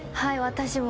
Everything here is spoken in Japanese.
私も。